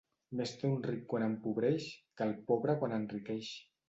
Més té un ric quan empobreix, que el pobre quan enriqueix.